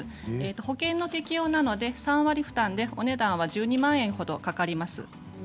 保険適用なので３割負担でお値段は１２万円ほどかかります。